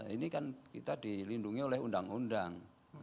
ini kan kita dilindungi oleh undang undang